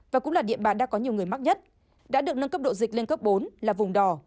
và cũng là địa bàn đã có nhiều người mắc nhất đã được nâng cấp độ dịch lên cấp bốn là vùng đỏ